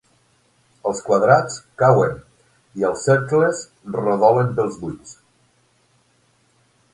Els quadrats cauen i els cercles rodolen pels buits.